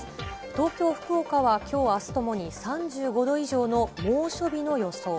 東京、福岡はきょう、あすともに３５度以上の猛暑日の予想。